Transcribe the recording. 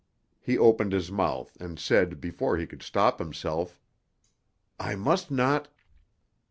He opened his mouth and said before he could stop himself, "I must not